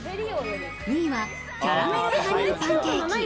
２位はキャラメルハニーパンケーキ。